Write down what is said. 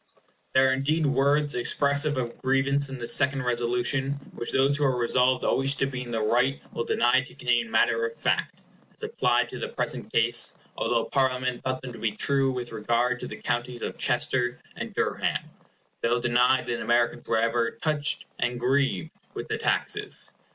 There are indeed words expressive of grievance in this second Resolution, which those who are resolved always to be in the right will deny to contain matter of fact, as applied to the present case, although Parliament thought them true with regard to the counties of Chester and Durham. They will deny that the Americans were ever "touched and grieved" with the taxes.